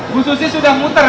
bu susi sudah muter